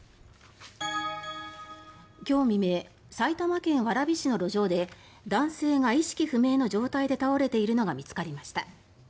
今日未明、埼玉県蕨市の路上で男性が意識不明の状態で倒れているのが見つかりました。